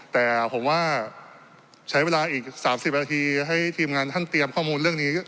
แต่ผมว่าใช้เวลาอีก๓๐นาทีให้ทีมงานท่านเตรียมข้อมูลเรื่องนี้